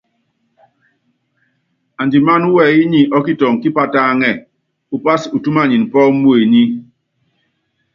Andimáná wɛyí nyi ɔ́kitɔŋ kípatáŋɛ́, upási utúmanin pɔ́ muenyí.